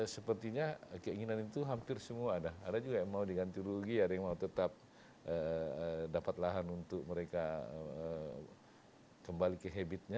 sepertinya keinginan itu hampir semua ada ada juga yang mau diganti rugi ada yang mau tetap dapat lahan untuk mereka kembali ke habitnya